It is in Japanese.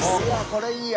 これいいや！